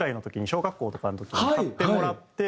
小学校とかの時に買ってもらって。